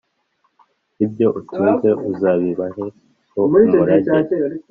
Ibyo utunze uzabibaheho umurage.